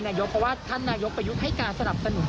แล้วผมคิดว่าวันนี้มันก็ไปกว่าหน้าไง